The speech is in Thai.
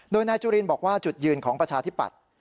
โดยนายจุลินบอกว่าจุดยืนของประชาธิปัตย์